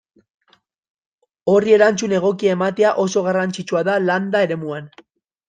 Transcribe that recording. Horri erantzun egokia ematea oso garrantzitsua da landa eremuan.